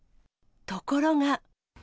ところが。